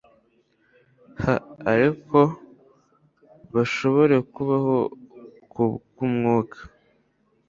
h ariko bashobore kubaho ku bw umwuka